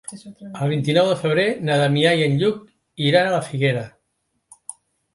El vint-i-nou de febrer na Damià i en Lluc iran a la Figuera.